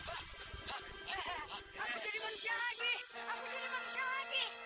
aku jadi manusia lagi aku jadi manusia nih